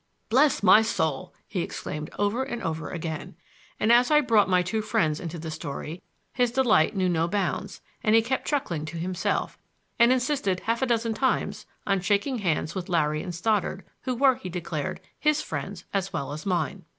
"Bless my soul!" he exclaimed over and over again. And as I brought my two friends into the story his delight knew no bounds, and he kept chuckling to himself; and insisted half a dozen times on shaking hands with Larry and Stoddard, who were, he declared, his friends as well as mine.